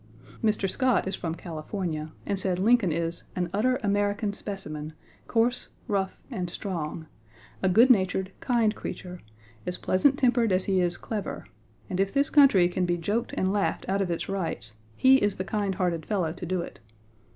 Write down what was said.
" Mr. Scott is from California, and said Lincoln is "an utter American specimen, coarse, rouge, and strong; a good natured, kind creature; as pleasant tempered as he is clever, and if this country can be joked and laughed out of its rights he is the kind hearted fellow to do it.